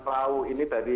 sejarah sejarah kita dari